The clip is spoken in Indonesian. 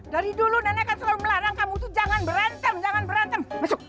dari dulu nenek kan selalu melarang kamu tuh jangan berantem jangan berantem